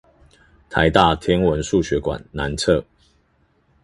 臺大天文數學館南側